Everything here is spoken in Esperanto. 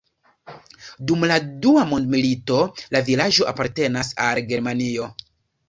Dum la Dua Mondmilito la vilaĝo apartenis al Germanio.